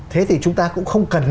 thế thì chúng ta cũng không cần